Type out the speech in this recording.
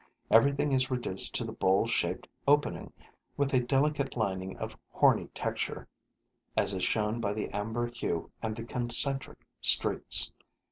Everything is reduced to the bowl shaped opening, with a delicate lining of horny texture, as is shown by the amber hue and the concentric streaks.